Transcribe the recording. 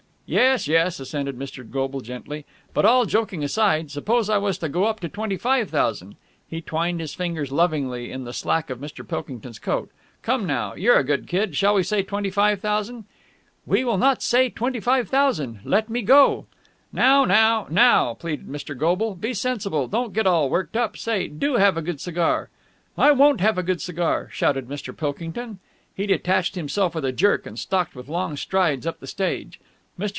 "Yes, yes," assented Mr. Goble gently. "But, all joking aside, suppose I was to go up to twenty five thousand...?" He twined his fingers lovingly in the slack of Mr. Pilkington's coat. "Come now! You're a good kid I Shall we say twenty five thousand?" "We will not say twenty five thousand! Let me go!" "Now, now, now!" pleaded Mr. Goble. "Be sensible! Don't get all worked up! Say, do have a good cigar!" "I won't have a good cigar!" shouted Mr. Pilkington. He detached himself with a jerk, and stalked with long strides up the stage. Mr.